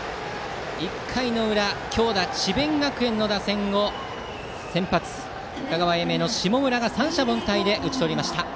１回の裏強打・智弁学園の打線を先発、香川・英明の下村が三者凡退で打ち取りました。